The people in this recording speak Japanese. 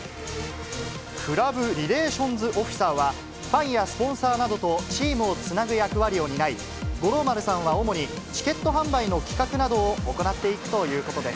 クラブ・リレーションズ・オフィサーは、ファンやスポンサーなどとチームをつなぐ役割を担い、五郎丸さんは主にチケット販売などの企画などを行っていくということです。